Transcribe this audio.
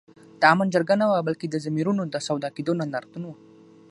د آمن جرګه نه وه بلکي د ضمیرونو د سودا کېدو نندارتون وو